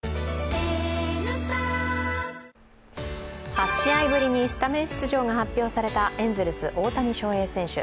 ８試合ぶりにスタメン出場が発表されたエンゼルス・大谷翔平選手。